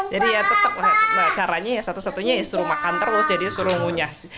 jadi ya tetap caranya satu satunya suruh makan terus jadi suruh ngunya